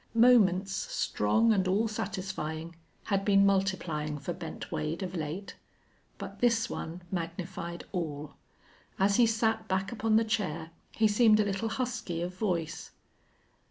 Moments strong and all satisfying had been multiplying for Bent Wade of late. But this one magnified all. As he sat back upon the chair he seemed a little husky of voice.